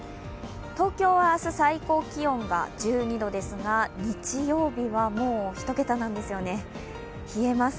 東京は明日最高気温が１２度ですが日曜日は、もう１桁なんですよね、冷えます。